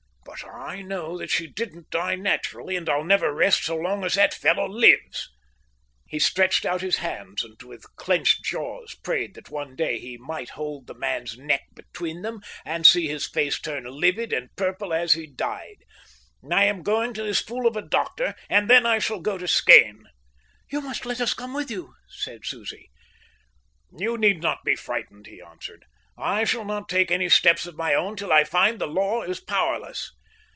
But I know that she didn't die naturally, and I'll never rest so long as that fellow lives." He stretched out his hands and with clenched jaws prayed that one day he might hold the man's neck between them, and see his face turn livid and purple as he died. "I am going to this fool of a doctor, and then I shall go to Skene." "You must let us come with you," said Susie. "You need not be frightened," he answered. "I shall not take any steps of my own till I find the law is powerless."